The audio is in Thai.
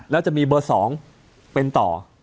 แล้วจะมีเบอร์๒เป็นต่อ